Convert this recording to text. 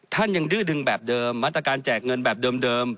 ท่านยังดื้อดึงแบบเดิมมาตรการแจกเงินแบบเดิม